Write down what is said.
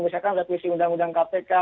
misalkan revisi undang undang kpk